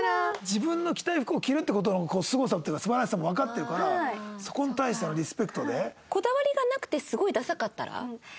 自分の着たい服を着るって事のすごさっていうか素晴らしさもわかってるからそこに対してのリスペクトで。